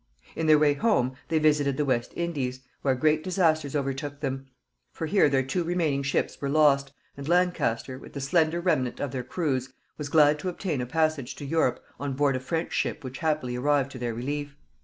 In their way home they visited the West Indies, where great disasters overtook them; for here their two remaining ships were lost, and Lancaster, with the slender remnant of their crews, was glad to obtain a passage to Europe on board a French ship which happily arrived to their relief.